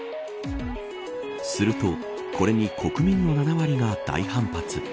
するとこれに国民の７割が大反発。